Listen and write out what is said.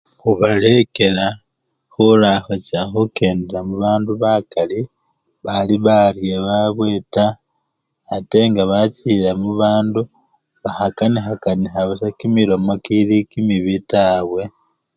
Khubalekela khula khucha khukendela mubandu bakali bali barye babwe taa ate nga bachile mubandu, bakhakanikha kanikha kimilomo kili kimibii taa.